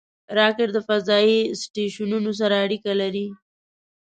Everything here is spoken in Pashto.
راکټ د فضایي سټیشنونو سره اړیکه لري